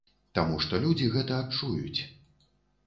Таму што людзі гэта адчуюць.